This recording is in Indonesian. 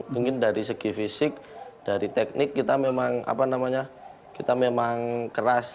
mungkin dari segi fisik dari teknik kita memang keras